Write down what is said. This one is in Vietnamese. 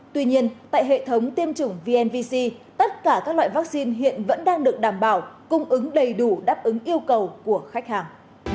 tuy nhiên tại hệ thống tiêm chủng vnvc tất cả các loại vaccine hiện vẫn đang được đảm bảo cung ứng đầy đủ đáp ứng yêu cầu của khách hàng